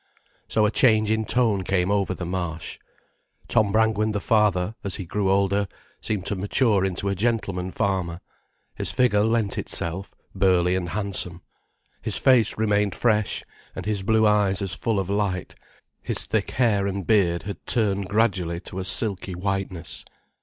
So a change in tone came over the Marsh. Tom Brangwen the father, as he grew older, seemed to mature into a gentleman farmer. His figure lent itself: burly and handsome. His face remained fresh and his blue eyes as full of light, his thick hair and beard had turned gradually to a silky whiteness.